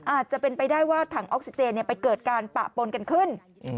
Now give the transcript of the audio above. อาจจะเป็นไปได้ว่าถังออกซิเจนไปเกิดการปะปนกันขึ้น